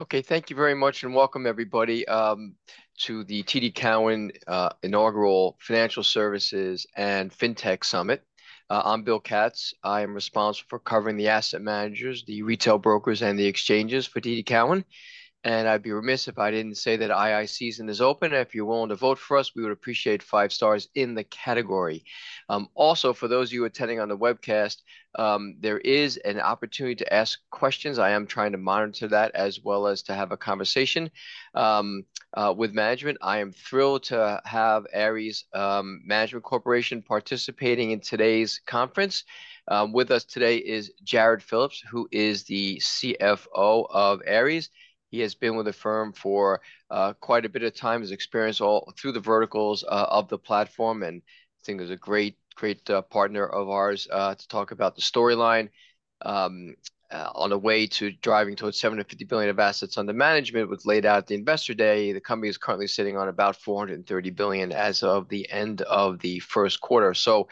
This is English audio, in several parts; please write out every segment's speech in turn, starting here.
Okay, thank you very much, and welcome everybody to the TD Cowen Inaugural Financial Services and Fintech Summit. I'm Bill Katz. I am responsible for covering the asset managers, the retail brokers, and the exchanges for TD Cowen. I'd be remiss if I didn't say that II season is open. If you're willing to vote for us, we would appreciate five stars in the category. Also, for those of you attending on the webcast, there is an opportunity to ask questions. I am trying to monitor that as well as to have a conversation with management. I am thrilled to have Ares Management Corporation participating in today's conference. With us today is Jarrod Phillips, who is the CFO of Ares. He has been with the firm for quite a bit of time. He's experienced all through the verticals of the platform, and I think he's a great, great partner of ours to talk about the storyline. On the way to driving towards $75 billion of assets under management, was laid out at the Investor Day. The company is currently sitting on about $430 billion as of the end of the first quarter. So,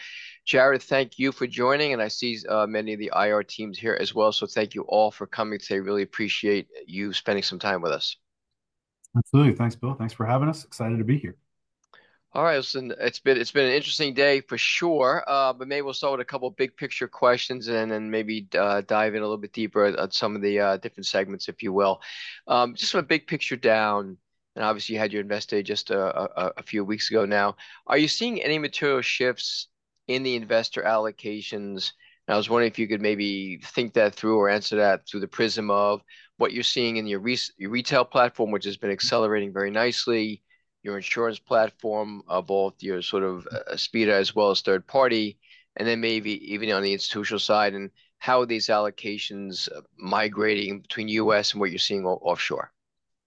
Jarrod, thank you for joining, and I see many of the IR teams here as well. So thank you all for coming today. Really appreciate you spending some time with us. Absolutely. Thanks, Bill. Thanks for having us. Excited to be here. All right, listen, it's been, it's been an interesting day for sure, but maybe we'll start with a couple of big picture questions and then maybe dive in a little bit deeper at some of the different segments, if you will. Just from a big picture down, and obviously, you had your Investor Day just a few weeks ago now. Are you seeing any material shifts in the investor allocations? And I was wondering if you could maybe think that through or answer that through the prism of what you're seeing in your your retail platform, which has been accelerating very nicely, your insurance platform of both your sort of Aspida as well as third party, and then maybe even on the institutional side, and how are these allocations migrating between US and what you're seeing offshore?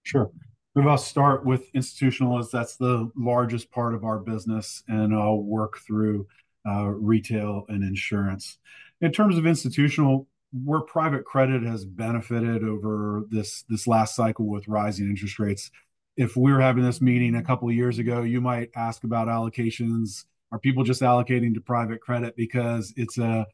Sure. Maybe I'll start with institutional, as that's the largest part of our business, and I'll work through retail and insurance. In terms of institutional, where private credit has benefited over this last cycle with rising interest rates, if we were having this meeting a couple of years ago, you might ask about allocations. Are people just allocating to private credit because it's a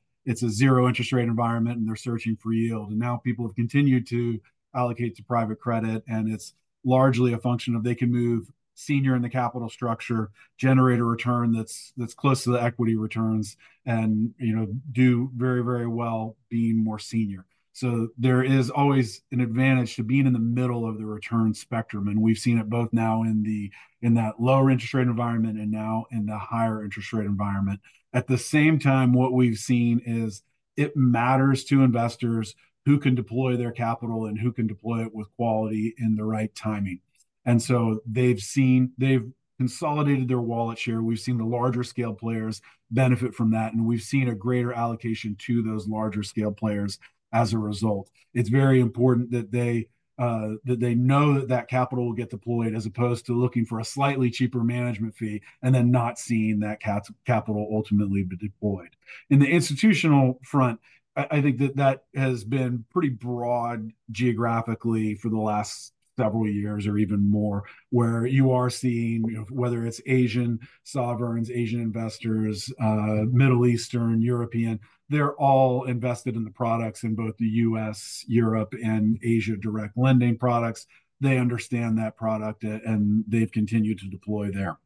zero interest rate environment and they're searching for yield? And now people have continued to allocate to private credit, and it's largely a function of they can move senior in the capital structure, generate a return that's close to the equity returns and, you know, do very, very well being more senior. So there is always an advantage to being in the middle of the return spectrum, and we've seen it both now in that lower interest rate environment and now in the higher interest rate environment. At the same time, what we've seen is it matters to investors who can deploy their capital and who can deploy it with quality and the right timing. And so they've seen... They've consolidated their wallet share. We've seen the larger scale players benefit from that, and we've seen a greater allocation to those larger scale players as a result. It's very important that they, that they know that that capital will get deployed, as opposed to looking for a slightly cheaper management fee and then not seeing that capital ultimately be deployed. In the institutional front, I think that has been pretty broad geographically for the last several years or even more, where you are seeing, you know, whether it's Asian sovereigns, Asian investors, Middle Eastern, European, they're all invested in the products in both the U.S., Europe, and Asia direct lending products. They understand that product, and they've continued to deploy there.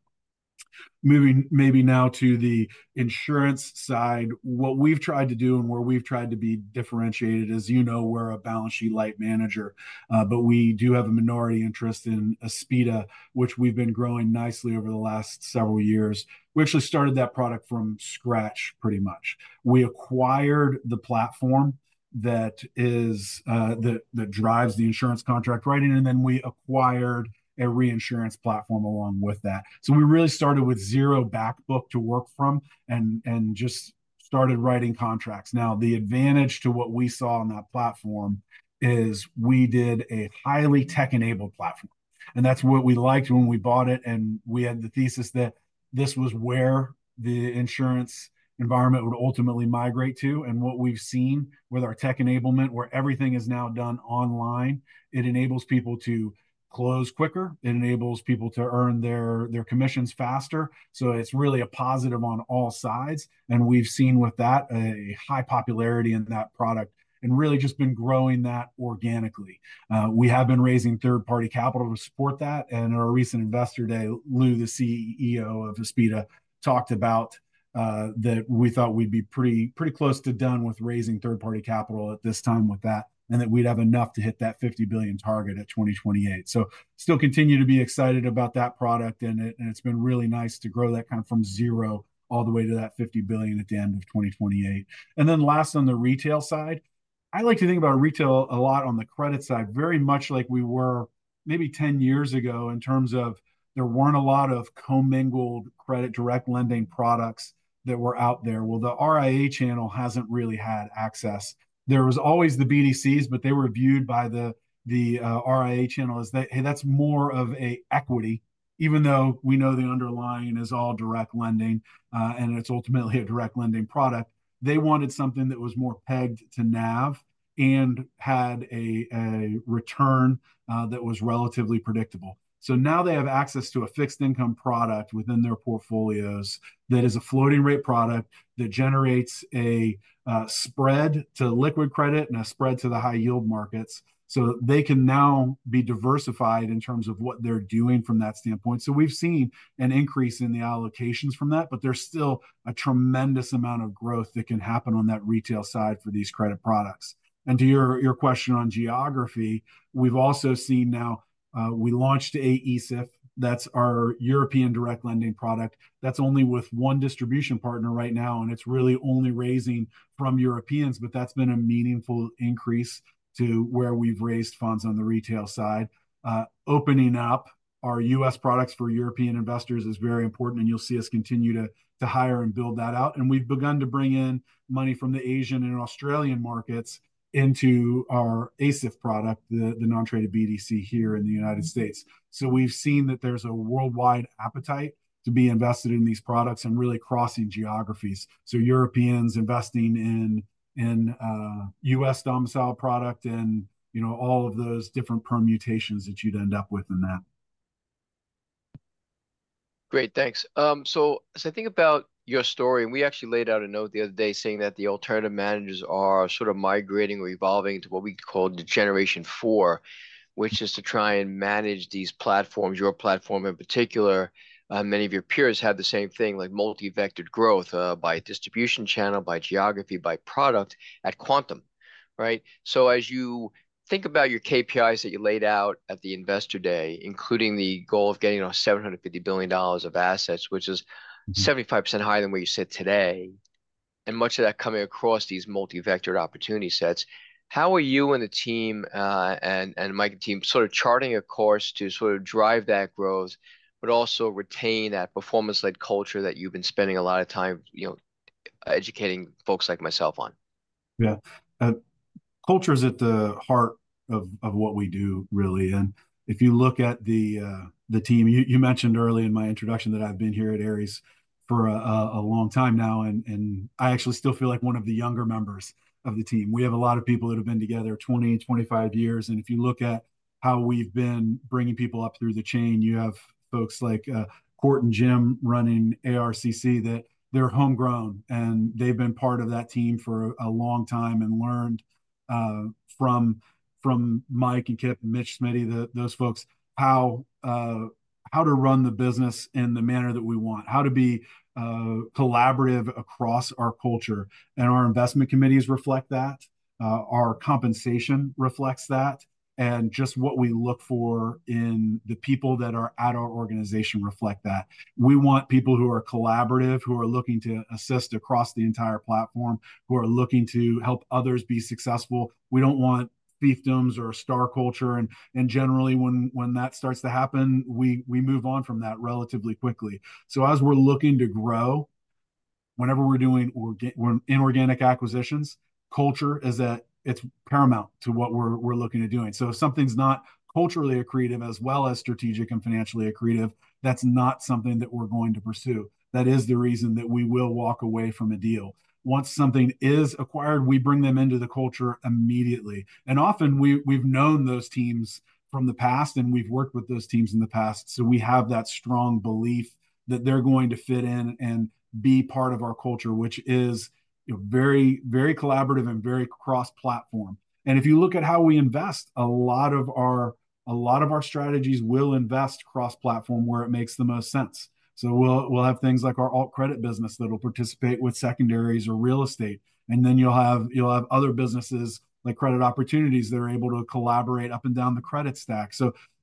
Moving maybe now to the insurance side, what we've tried to do and where we've tried to be differentiated, as you know, we're a balance sheet light manager, but we do have a minority interest in Aspida, which we've been growing nicely over the last several years. We actually started that product from scratch, pretty much. We acquired the platform that drives the insurance contract writing, and then we acquired a reinsurance platform along with that. So we really started with zero back book to work from and just started writing contracts. Now, the advantage to what we saw on that platform is we did a highly tech-enabled platform, and that's what we liked when we bought it, and we had the thesis that this was where the insurance environment would ultimately migrate to. And what we've seen with our tech enablement, where everything is now done online, it enables people to close quicker, it enables people to earn their commissions faster. So it's really a positive on all sides, and we've seen with that a high popularity in that product and really just been growing that organically. We have been raising third-party capital to support that, and in our recent Investor Day, Lou, the CEO of Aspida, talked about that we thought we'd be pretty, pretty close to done with raising third-party capital at this time with that, and that we'd have enough to hit that $50 billion target at 2028. So still continue to be excited about that product, and it, and it's been really nice to grow that kind of from 0 all the way to that $50 billion at the end of 2028. And then last, on the retail side, I like to think about retail a lot on the credit side, very much like we were maybe 10 years ago, in terms of there weren't a lot of commingled credit, direct lending products that were out there. Well, the RIA channel hasn't really had access. There was always the BDCs, but they were viewed by the RIA channel as that, hey, that's more of an equity even though we know the underlying is all direct lending, and it's ultimately a direct lending product, they wanted something that was more pegged to NAV and had a return that was relatively predictable. So now they have access to a fixed income product within their portfolios that is a floating rate product, that generates a spread to liquid credit and a spread to the high-yield markets. So they can now be diversified in terms of what they're doing from that standpoint. So we've seen an increase in the allocations from that, but there's still a tremendous amount of growth that can happen on that retail side for these credit products. And to your question on geography, we've also seen now. We launched ASIF, that's our European direct lending product. That's only with one distribution partner right now, and it's really only raising from Europeans, but that's been a meaningful increase to where we've raised funds on the retail side. Opening up our U.S. products for European investors is very important, and you'll see us continue to hire and build that out. And we've begun to bring in money from the Asian and Australian markets into our ASIF product, the non-traded BDC here in the United States. So we've seen that there's a worldwide appetite to be invested in these products and really crossing geographies. So Europeans investing in U.S. domiciled product and, you know, all of those different permutations that you'd end up with in that. Great, thanks. So as I think about your story, and we actually laid out a note the other day saying that the alternative managers are sort of migrating or evolving to what we call the generation four, which is to try and manage these platforms, your platform in particular. Many of your peers have the same thing, like multi-vectored growth, by distribution channel, by geography, by product at Quantum, right? So as you think about your KPIs that you laid out at the Investor Day, including the goal of getting $750 billion of assets, which is 75% higher than what you said today, and much of that coming across these multi-vectored opportunity sets, how are you and the team and Mike team sort of charting a course to sort of drive that growth, but also retain that performance-led culture that you've been spending a lot of time, you know, educating folks like myself on? Yeah. Culture is at the heart of what we do, really. And if you look at the team, you mentioned early in my introduction that I've been here at Ares for a long time now, and I actually still feel like one of the younger members of the team. We have a lot of people that have been together 20, 25 years. And if you look at how we've been bringing people up through the chain, you have folks like Kort and Jim running ARCC, that they're homegrown, and they've been part of that team for a long time and learned from Mike and Kipp and Mitch, Smithy, those folks, how to run the business in the manner that we want, how to be collaborative across our culture. Our investment committees reflect that, our compensation reflects that, and just what we look for in the people that are at our organization reflect that. We want people who are collaborative, who are looking to assist across the entire platform, who are looking to help others be successful. We don't want fiefdoms or a star culture, and generally when that starts to happen, we move on from that relatively quickly. So as we're looking to grow, whenever we're doing inorganic acquisitions, culture is it's paramount to what we're looking at doing. So if something's not culturally accretive as well as strategic and financially accretive, that's not something that we're going to pursue. That is the reason that we will walk away from a deal. Once something is acquired, we bring them into the culture immediately. Often, we, we've known those teams from the past, and we've worked with those teams in the past, so we have that strong belief that they're going to fit in and be part of our culture, which is, you know, very, very collaborative and very cross-platform. If you look at how we invest, a lot of our, a lot of our strategies will invest cross-platform where it makes the most sense. We'll, we'll have things like our alt credit business that will participate with Secondaries or real estate, and then you'll have, you'll have other businesses, like credit opportunities, that are able to collaborate up and down the credit stack.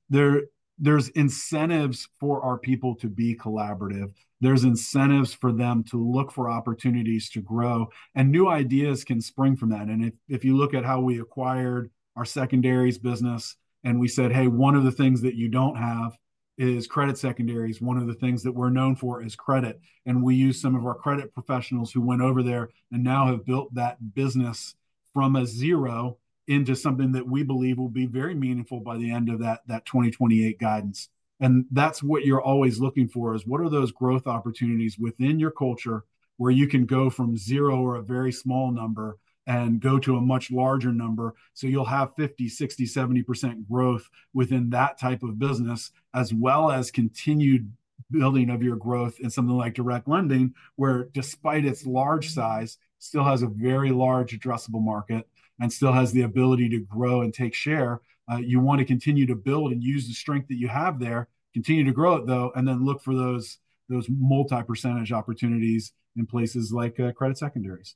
There, there's incentives for our people to be collaborative. There's incentives for them to look for opportunities to grow, and new ideas can spring from that. And if, if you look at how we acquired our Secondaries business, and we said, "Hey, one of the things that you don't have is Credit Secondaries. One of the things that we're known for is credit." And we used some of our credit professionals who went over there and now have built that business from a zero into something that we believe will be very meaningful by the end of that, that 2028 guidance. And that's what you're always looking for, is what are those growth opportunities within your culture, where you can go from zero or a very small number and go to a much larger number? So you'll have 50%, 60%, 70% growth within that type of business, as well as continued building of your growth in something like direct lending, where despite its large size, still has a very large addressable market and still has the ability to grow and take share. You want to continue to build and use the strength that you have there, continue to grow it, though, and then look for those multi-percentage opportunities in places like Credit Secondaries.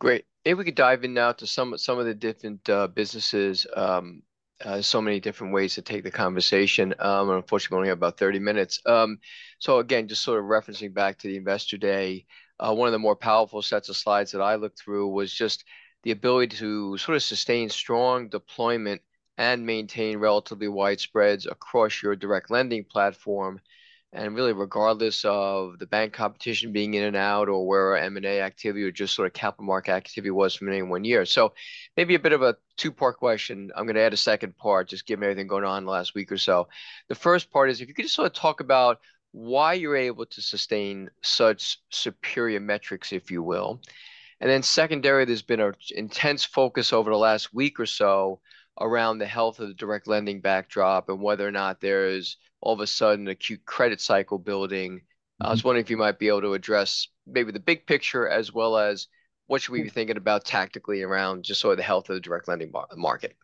Great. If we could dive in now to some of the different businesses, so many different ways to take the conversation. Unfortunately, we only have about 30 minutes. So again, just sort of referencing back to the Investor Day, one of the more powerful sets of slides that I looked through was just the ability to sort of sustain strong deployment and maintain relatively wide spreads across your direct lending platform, and really, regardless of the bank competition being in and out, or where M&A activity or just sort of capital market activity was from any one year. So maybe a bit of a two-part question. I'm gonna add a second part, just given everything going on in the last week or so. The first part is, if you could just sort of talk about why you're able to sustain such superior metrics, if you will? And then secondary, there's been an intense focus over the last week or so around the health of the direct lending backdrop, and whether or not there is all of a sudden acute credit cycle building. Mm-hmm. I was wondering if you might be able to address maybe the big picture, as well as what should we be thinking about tactically around just sort of the health of the direct lending market?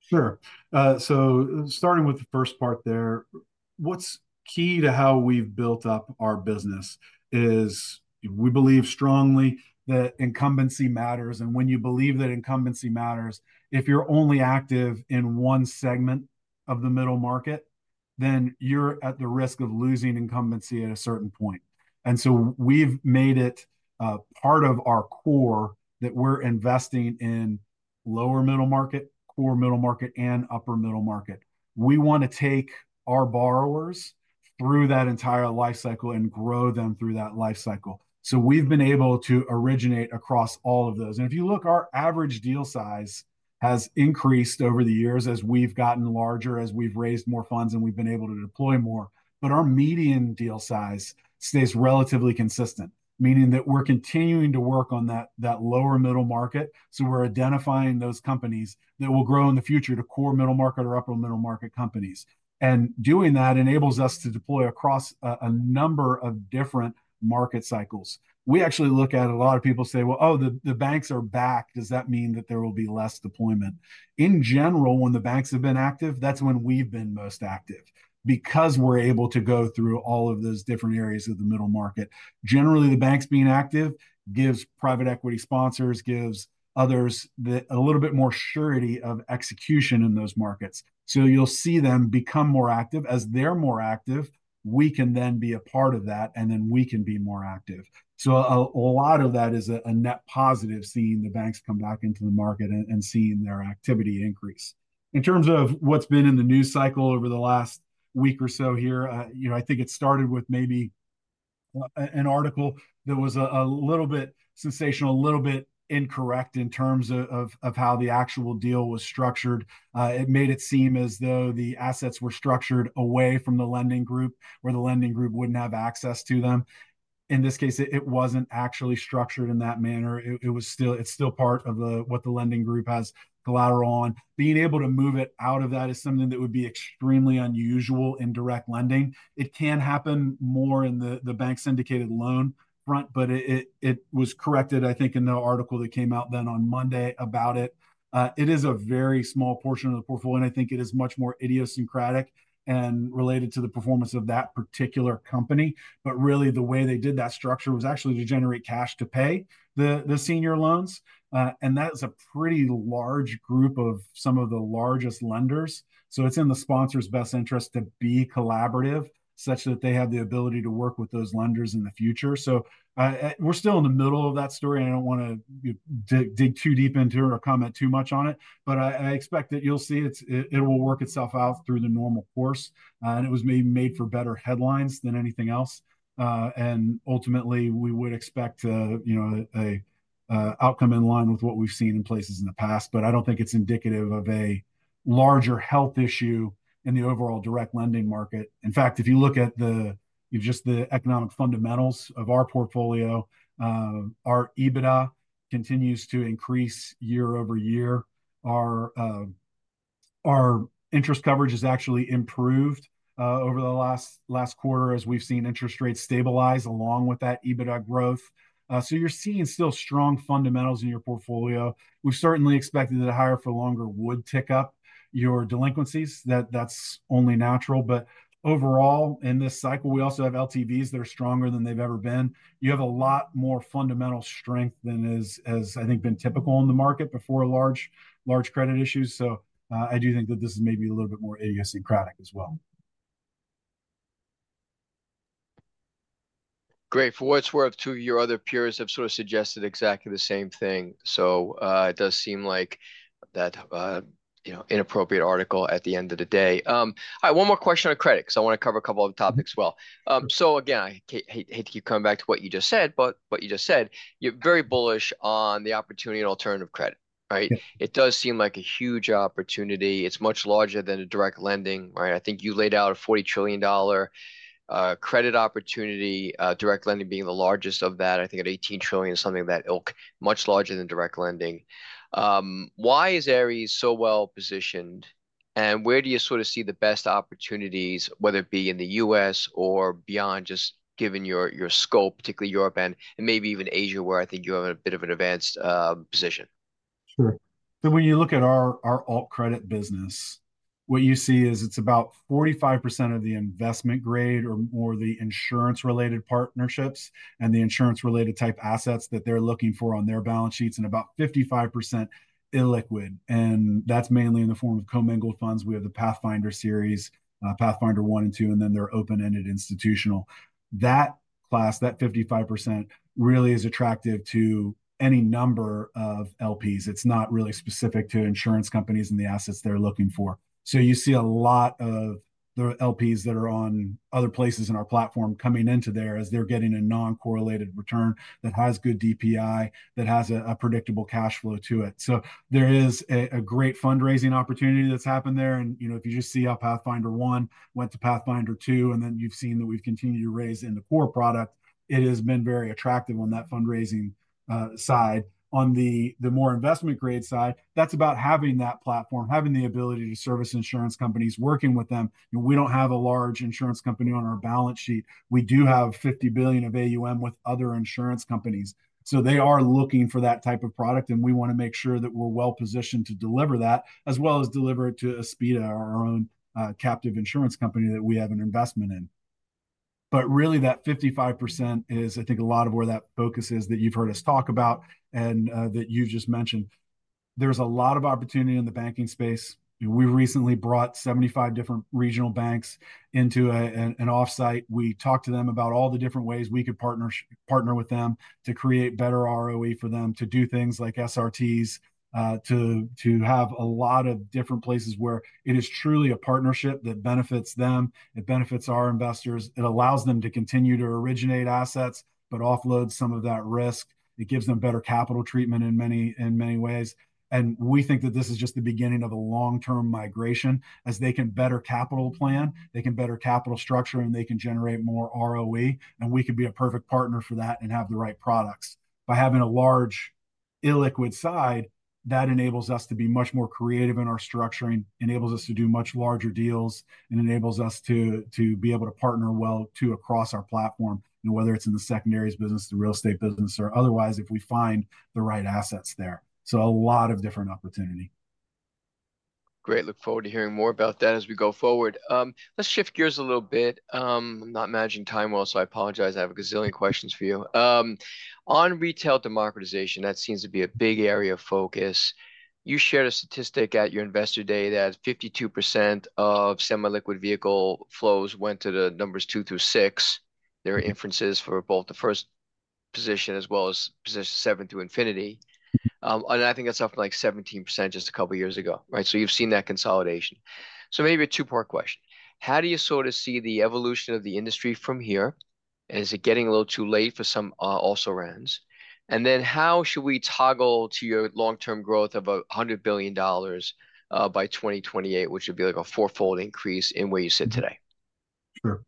Sure. So starting with the first part there, what's key to how we've built up our business is we believe strongly that incumbency matters. And when you believe that incumbency matters, if you're only active in one segment of the middle market, then you're at the risk of losing incumbency at a certain point. And so we've made it part of our core that we're investing in lower middle market, core middle market, and upper middle market. We want to take our borrowers through that entire life cycle and grow them through that life cycle. So we've been able to originate across all of those. If you look, our average deal size has increased over the years as we've gotten larger, as we've raised more funds, and we've been able to deploy more, but our median deal size stays relatively consistent, meaning that we're continuing to work on that lower middle market. So we're identifying those companies that will grow in the future to core middle market or upper middle market companies. And doing that enables us to deploy across a number of different market cycles. We actually look at... A lot of people say, "Well, oh, the banks are back. Does that mean that there will be less deployment?" In general, when the banks have been active, that's when we've been most active, because we're able to go through all of those different areas of the middle market. Generally, the banks being active gives private equity sponsors, gives others, a little bit more surety of execution in those markets. So you'll see them become more active. As they're more active, we can then be a part of that, and then we can be more active. So a lot of that is a net positive, seeing the banks come back into the market and seeing their activity increase. In terms of what's been in the news cycle over the last week or so here, you know, I think it started with maybe an article that was a little bit sensational, a little bit incorrect in terms of how the actual deal was structured. It made it seem as though the assets were structured away from the lending group, where the lending group wouldn't have access to them. In this case, it wasn't actually structured in that manner. It was still—it's still part of what the lending group has collateral on. Being able to move it out of that is something that would be extremely unusual in direct lending. It can happen more in the bank-syndicated loan front, but it was corrected, I think, in the article that came out then on Monday about it. It is a very small portion of the portfolio, and I think it is much more idiosyncratic and related to the performance of that particular company. But really, the way they did that structure was actually to generate cash to pay the senior loans. And that is a pretty large group of some of the largest lenders, so it's in the sponsor's best interest to be collaborative, such that they have the ability to work with those lenders in the future. So, we're still in the middle of that story, and I don't wanna dig too deep into it or comment too much on it, but I expect that you'll see it's... It will work itself out through the normal course. And it was maybe made for better headlines than anything else. And ultimately, we would expect, you know, an outcome in line with what we've seen in places in the past. But I don't think it's indicative of a larger health issue in the overall direct lending market. In fact, if you look at just the economic fundamentals of our portfolio, our EBITDA continues to increase year-over-year. Our interest coverage has actually improved over the last quarter, as we've seen interest rates stabilize along with that EBITDA growth. So you're seeing still strong fundamentals in your portfolio. We've certainly expected that a higher-for-longer would tick up your delinquencies, that's only natural. But overall, in this cycle, we also have LTVs that are stronger than they've ever been. You have a lot more fundamental strength than has, I think, been typical in the market before large credit issues. So I do think that this is maybe a little bit more idiosyncratic as well. Great. For what it's worth, two of your other peers have sort of suggested exactly the same thing, so, it does seem like that, you know, inappropriate article at the end of the day. All right, one more question on credit, because I wanna cover a couple other topics as well. So again, I hate, hate to keep coming back to what you just said, but what you just said, you're very bullish on the opportunity in alternative credit, right? Yeah. It does seem like a huge opportunity. It's much larger than a direct lending, right? I think you laid out a $40 trillion credit opportunity, direct lending being the largest of that, I think, at $18 trillion, something of that ilk, much larger than direct lending. Why is Ares so well-positioned, and where do you sort of see the best opportunities, whether it be in the U.S. or beyond, just given your, your scope, particularly Europe and, and maybe even Asia, where I think you have a bit of an advanced position? Sure. So when you look at our, our alt credit business, what you see is it's about 45% of the investment grade or more the insurance-related partnerships and the insurance-related type assets that they're looking for on their balance sheets, and about 55% illiquid, and that's mainly in the form of commingled funds. We have the Pathfinder series, Pathfinder I and II, and then their open-ended institutional class, that 55% really is attractive to any number of LPs. It's not really specific to insurance companies and the assets they're looking for. So you see a lot of the LPs that are on other places in our platform coming into there as they're getting a non-correlated return that has good DPI, that has a, a predictable cash flow to it. So there is a, a great fundraising opportunity that's happened there. You know, if you just see how Pathfinder One went to Pathfinder Two, and then you've seen that we've continued to raise in the core product, it has been very attractive on that fundraising side. On the more investment-grade side, that's about having that platform, having the ability to service insurance companies, working with them. We don't have a large insurance company on our balance sheet. We do have $50 billion of AUM with other insurance companies, so they are looking for that type of product, and we wanna make sure that we're well-positioned to deliver that, as well as deliver it to Aspida, our own captive insurance company that we have an investment in. But really, that 55% is, I think, a lot of where that focus is that you've heard us talk about and that you've just mentioned. There's a lot of opportunity in the banking space. We recently brought 75 different regional banks into an off-site. We talked to them about all the different ways we could partner with them to create better ROE for them, to do things like SRTs, to have a lot of different places where it is truly a partnership that benefits them, it benefits our investors. It allows them to continue to originate assets, but offload some of that risk. It gives them better capital treatment in many ways. And we think that this is just the beginning of a long-term migration. As they can better capital plan, they can better capital structure, and they can generate more ROE, and we can be a perfect partner for that and have the right products. By having a large illiquid side, that enables us to be much more creative in our structuring, enables us to do much larger deals, and enables us to be able to partner well, too, across our platform, you know, whether it's in the Secondaries business, the real estate business, or otherwise, if we find the right assets there. So a lot of different opportunity. Great, look forward to hearing more about that as we go forward. Let's shift gears a little bit. I'm not managing time well, so I apologize. I have a gazillion questions for you. On retail democratization, that seems to be a big area of focus. You shared a statistic at your Investor Day that 52% of semi-liquid vehicle flows went to the numbers two through six. There are inferences for both the first position as well as position seven through infinity. And I think that's up from, like, 17% just a couple of years ago, right? So you've seen that consolidation. So maybe a two-part question: How do you sort of see the evolution of the industry from here, and is it getting a little too late for some also-rans? And then how should we toggle to your long-term growth of $100 billion by 2028, which would be, like, a fourfold increase in where you sit today? Sure.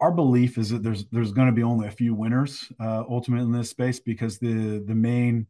Our belief is that there's, there's gonna be only a few winners ultimately in this space, because the, the main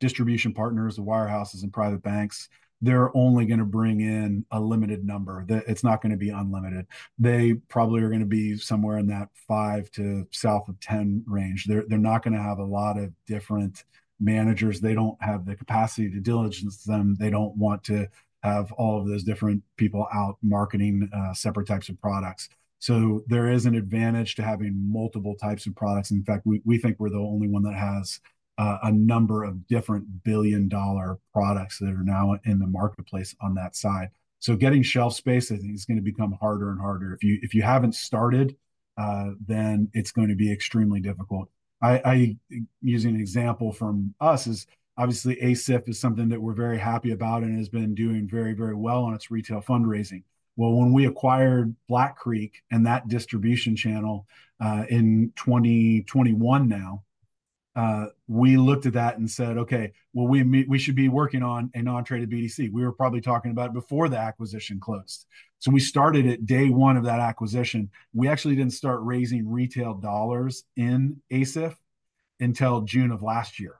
distribution partners, the wirehouses and private banks, they're only gonna bring in a limited number. It's not gonna be unlimited. They probably are gonna be somewhere in that 5 to south of 10 range. They're, they're not gonna have a lot of different managers. They don't have the capacity to diligence them. They don't want to have all of those different people out marketing separate types of products. So there is an advantage to having multiple types of products. In fact, we, we think we're the only one that has a number of different billion dollar products that are now in the marketplace on that side. So getting shelf space, I think, is gonna become harder and harder. If you, if you haven't started, then it's going to be extremely difficult. Using an example from us is, obviously, ASIF is something that we're very happy about and has been doing very, very well on its retail fundraising. Well, when we acquired Black Creek and that distribution channel in 2021 now, we looked at that and said, "Okay, well, we should be working on a non-traded BDC." We were probably talking about it before the acquisition closed. So we started at day one of that acquisition. We actually didn't start raising retail dollars in ASIF until June of last year.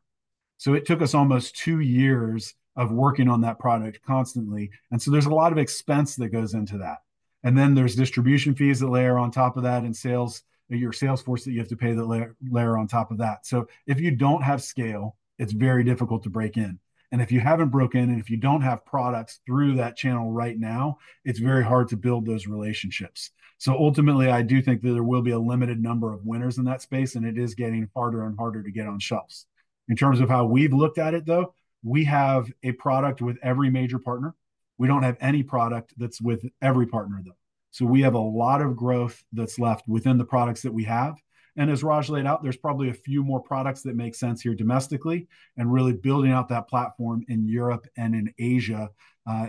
So it took us almost two years of working on that product constantly, and so there's a lot of expense that goes into that. And then there's distribution fees that layer on top of that, and sales, your sales force that you have to pay, that layer on top of that. So if you don't have scale, it's very difficult to break in. And if you haven't broken in, and if you don't have products through that channel right now, it's very hard to build those relationships. So ultimately, I do think that there will be a limited number of winners in that space, and it is getting harder and harder to get on shelves. In terms of how we've looked at it, though, we have a product with every major partner. We don't have any product that's with every partner, though. So we have a lot of growth that's left within the products that we have. And as Raj laid out, there's probably a few more products that make sense here domestically, and really building out that platform in Europe and in Asia,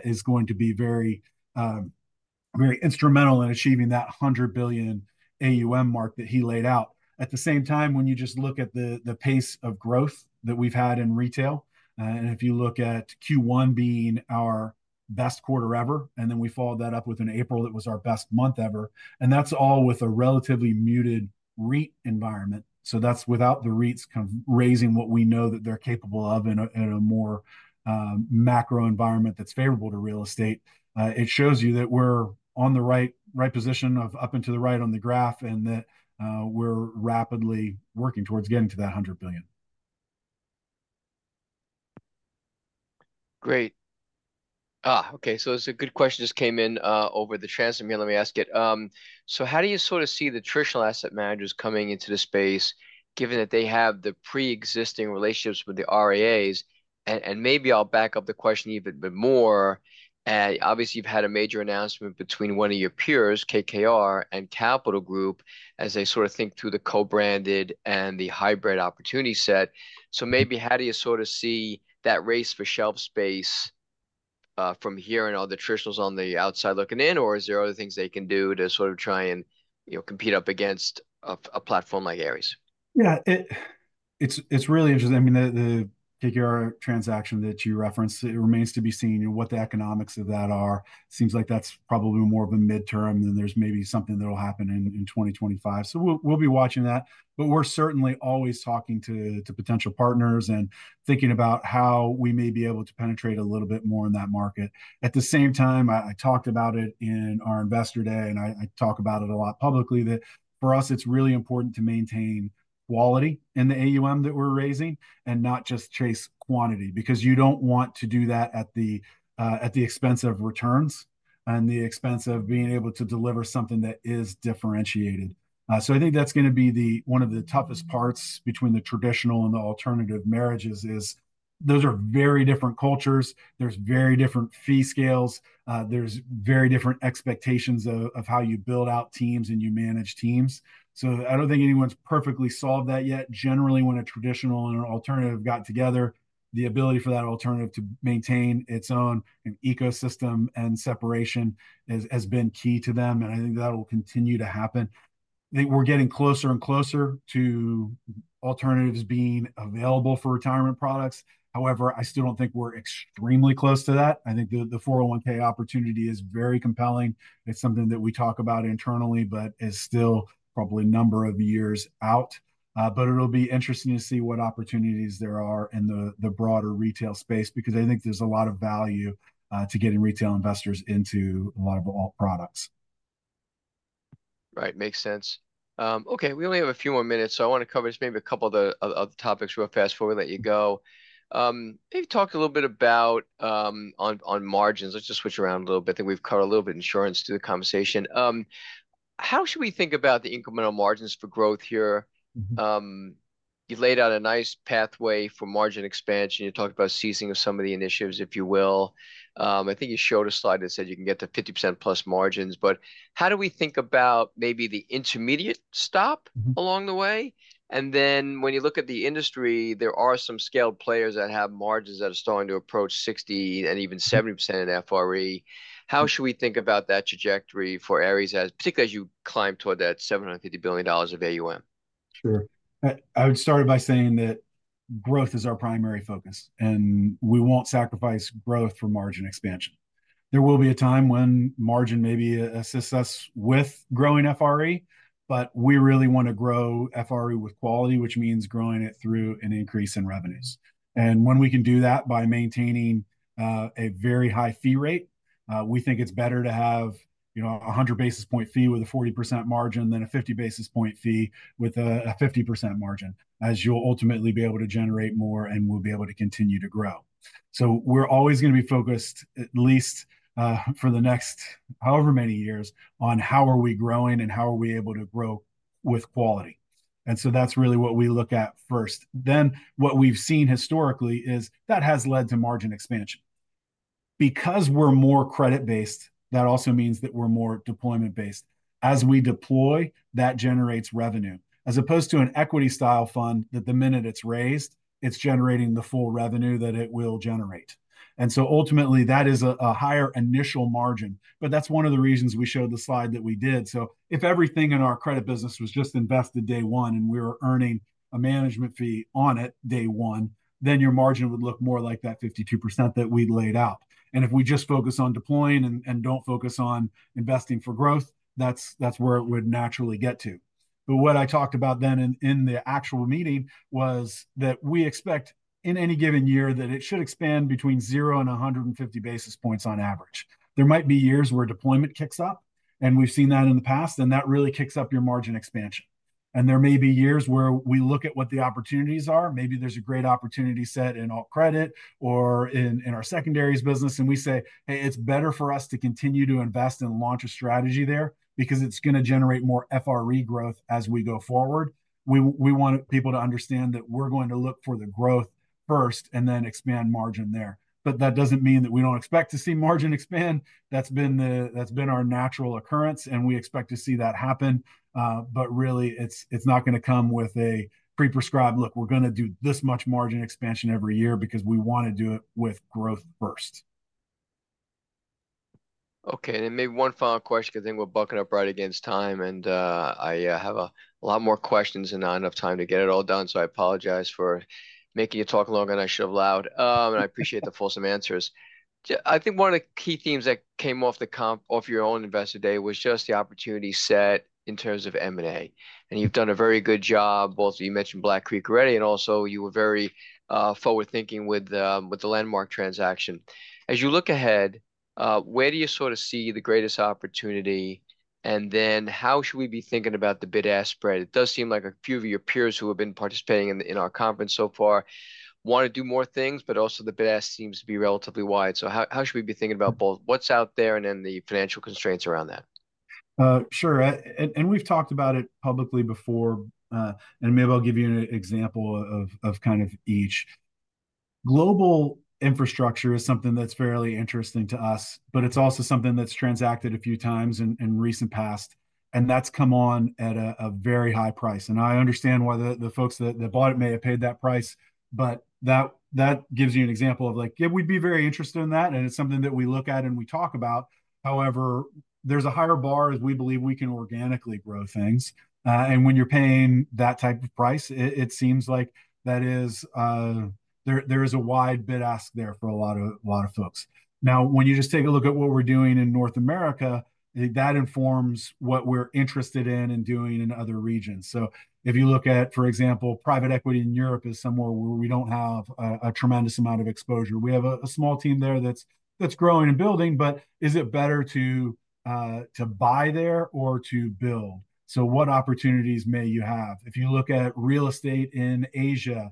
is going to be very, very instrumental in achieving that $100 billion AUM mark that he laid out. At the same time, when you just look at the pace of growth that we've had in retail, and if you look at Q1 being our best quarter ever, and then we followed that up with an April that was our best month ever, and that's all with a relatively muted REIT environment. So that's without the REITs kind of raising what we know that they're capable of in a more macro environment that's favorable to real estate. It shows you that we're on the right, right position of up and to the right on the graph, and that we're rapidly working towards getting to that $100 billion. Great. Okay, so it's a good question just came in over the transmit here, let me ask it. So how do you sort of see the traditional asset managers coming into the space, given that they have the pre-existing relationships with the RIAs? And maybe I'll back up the question even a bit more. Obviously, you've had a major announcement between one of your peers, KKR and Capital Group, as they sort of think through the co-branded and the hybrid opportunity set. So maybe how do you sort of see that race for shelf space from here and all the traditionals on the outside looking in? Or is there other things they can do to sort of try and, you know, compete up against a platform like Ares? Yeah, it's really interesting. I mean, the KKR transaction that you referenced, it remains to be seen, you know, what the economics of that are. Seems like that's probably more of a midterm, then there's maybe something that'll happen in 2025. So we'll be watching that. But we're certainly always talking to potential partners and thinking about how we may be able to penetrate a little bit more in that market. At the same time, I talked about it in our Investor Day, and I talk about it a lot publicly, that for us, it's really important to maintain quality in the AUM that we're raising, and not just chase quantity. Because you don't want to do that at the expense of returns and the expense of being able to deliver something that is differentiated. So I think that's gonna be the one of the toughest parts between the traditional and the alternative marriages, is those are very different cultures, there's very different fee scales, there's very different expectations of how you build out teams and you manage teams. So I don't think anyone's perfectly solved that yet. Generally, when a traditional and an alternative got together, the ability for that alternative to maintain its own ecosystem and separation has been key to them, and I think that'll continue to happen. I think we're getting closer and closer to alternatives being available for retirement products. However, I still don't think we're extremely close to that. I think the 401(k) opportunity is very compelling. It's something that we talk about internally, but is still probably a number of years out. But it'll be interesting to see what opportunities there are in the broader retail space, because I think there's a lot of value to getting retail investors into a lot of alt products. Right. Makes sense. Okay, we only have a few more minutes, so I want to cover just maybe a couple of the topics real fast before we let you go. Maybe talk a little bit about on margins. Let's just switch around a little bit. I think we've covered a little bit insurance through the conversation. How should we think about the incremental margins for growth here? Mm-hmm. You've laid out a nice pathway for margin expansion. You talked about ceasing of some of the initiatives, if you will. I think you showed a slide that said you can get to 50% plus margins, but how do we think about maybe the intermediate stop Mm-hmm along the way? Then when you look at the industry, there are some scaled players that have margins that are starting to approach 60% and even 70% in FRE. How should we think about that trajectory for Ares, as, particularly as you climb toward that $750 billion of AUM? Sure. I would start by saying that growth is our primary focus, and we won't sacrifice growth for margin expansion. There will be a time when margin maybe assists us with growing FRE, but we really want to grow FRE with quality, which means growing it through an increase in revenues. And when we can do that by maintaining a very high fee rate, we think it's better to have, you know, 100 basis point fee with a 40% margin than a 50 basis point fee with a 50% margin, as you'll ultimately be able to generate more, and we'll be able to continue to grow. So we're always gonna be focused, at least, for the next however many years, on how are we growing and how are we able to grow with quality. So that's really what we look at first. What we've seen historically is, that has led to margin expansion. Because we're more credit-based, that also means that we're more deployment-based. As we deploy, that generates revenue, as opposed to an equity-style fund, that the minute it's raised, it's generating the full revenue that it will generate. And so ultimately, that is a higher initial margin. But that's one of the reasons we showed the slide that we did. If everything in our credit business was just invested day one, and we were earning a management fee on it, day one, then your margin would look more like that 52% that we'd laid out. If we just focus on deploying and don't focus on investing for growth, that's where it would naturally get to. But what I talked about then in the actual meeting was that we expect, in any given year, that it should expand between 0 and 150 basis points on average. There might be years where deployment kicks up, and we've seen that in the past, and that really kicks up your margin expansion. And there may be years where we look at what the opportunities are. Maybe there's a great opportunity set in alt credit or in our Secondaries business, and we say, "Hey, it's better for us to continue to invest and launch a strategy there, because it's gonna generate more FRE growth as we go forward." We want people to understand that we're going to look for the growth first and then expand margin there. But that doesn't mean that we don't expect to see margin expand. That's been the... That's been our natural occurrence, and we expect to see that happen. But really, it's, it's not gonna come with a pre-prescribed, "Look, we're gonna do this much margin expansion every year," because we wanna do it with growth first. Okay, and maybe one final question, because I think we're bucking up right against time, and I have a lot more questions and not enough time to get it all done, so I apologize for making you talk longer than I should have allowed. And I appreciate the fulsome answers. I think one of the key themes that came off your own Investor Day was just the opportunity set in terms of M&A. And you've done a very good job, both you mentioned Black Creek Group, and also you were very forward-thinking with the Landmark transaction. As you look ahead, where do you sort of see the greatest opportunity? And then how should we be thinking about the bid-ask spread? It does seem like a few of your peers who have been participating in our conference so far want to do more things, but also the bid-ask seems to be relatively wide. So how should we be thinking about both what's out there, and then the financial constraints around that? Sure, and we've talked about it publicly before, and maybe I'll give you an example of kind of each. Global infrastructure is something that's fairly interesting to us, but it's also something that's transacted a few times in recent past, and that's come on at a very high price. And I understand why the folks that bought it may have paid that price, but that gives you an example of, like, yeah, we'd be very interested in that, and it's something that we look at and we talk about. However, there's a higher bar as we believe we can organically grow things. And when you're paying that type of price, it seems like there is a wide bid-ask there for a lot of folks. Now, when you just take a look at what we're doing in North America, that informs what we're interested in doing in other regions. So if you look at, for example, private equity in Europe is somewhere where we don't have a tremendous amount of exposure. We have a small team there that's growing and building, but is it better to buy there or to build? So what opportunities may you have? If you look at real estate in Asia,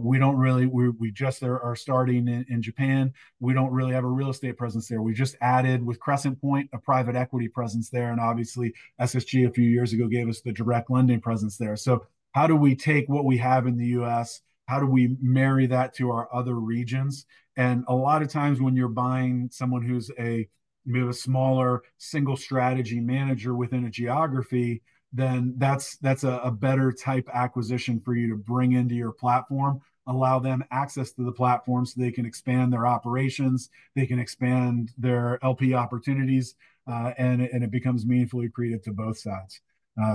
we just are starting in Japan. We don't really have a real estate presence there. We just added, with Crescent Point, a private equity presence there, and obviously SSG a few years ago gave us the direct lending presence there. So how do we take what we have in the U.S.? how do we marry that to our other regions? And a lot of times when you're buying someone who's a, maybe a smaller single strategy manager within a geography, then that's a better type acquisition for you to bring into your platform, allow them access to the platform so they can expand their operations, they can expand their LP opportunities, and it becomes meaningfully accretive to both sides.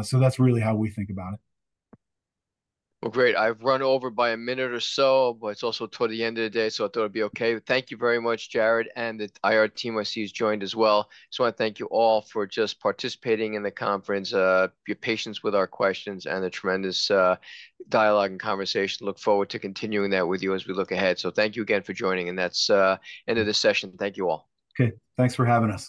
So that's really how we think about it. Well, great. I've run over by a minute or so, but it's also toward the end of the day, so I thought it'd be okay. Thank you very much, Jarrod, and the IR team I see is joined as well. Just wanna thank you all for just participating in the conference, your patience with our questions, and the tremendous dialogue and conversation. Look forward to continuing that with you as we look ahead. So thank you again for joining, and that's end of the session. Thank you all. Okay. Thanks for having us.